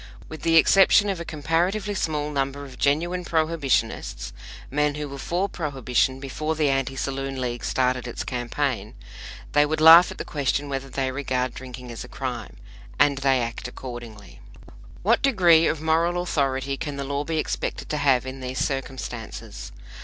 With the exception of a comparatively small number of genuine Prohibitionists men who were for Prohibition before the Anti Saloon League started its campaign they would laugh at the question whether they regard drinking as a crime. And they act accordingly. What degree of moral authority can the law be expected to have in these circumstances?